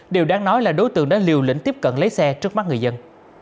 điều đáng nói là đối tượng đã liều lĩnh tiếp cận lấy xe trước mắt người dân